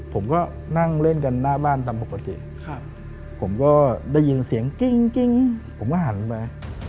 ผมก็นั่งเล่นกันหน้าบ้านตามปกติผมก็ได้ยินเสียงกิ้งผมก็หันไป